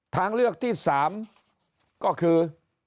ทางเลือกที่๓ก็คือ